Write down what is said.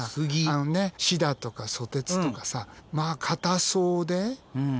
シダとかソテツとかさまあ硬そうでねえ。